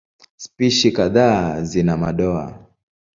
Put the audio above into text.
Spishi kadhaa zina madoa.